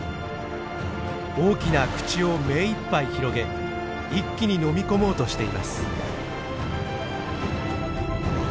大きな口を目いっぱい広げ一気に飲み込もうとしています。